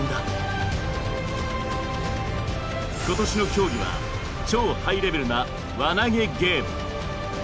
今年の競技は超ハイレベルな「輪投げ」ゲーム！